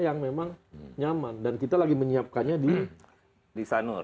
yang memang nyaman dan kita lagi menyiapkannya di sanur